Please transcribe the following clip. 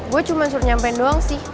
gue cuma nyampein doang sih